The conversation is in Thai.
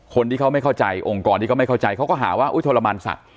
คนที่เขาไม่เข้าใจองค์กรที่เขาไม่เข้าใจเขาก็หาว่าทรมานสัตว